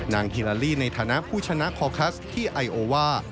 ฮิลาลีในฐานะผู้ชนะคอคัสที่ไอโอว่า